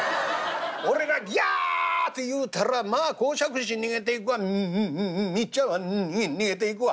俺が『ギャ』て言うたらまあ講釈師逃げていくわみみっちゃんは逃げていくわ。